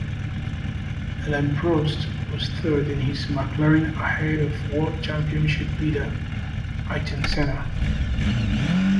Alain Prost was third in his McLaren ahead of World Championship leader Ayrton Senna.